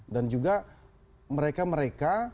dan juga mereka mereka